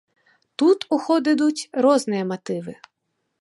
Тут у ход ідуць розныя матывы.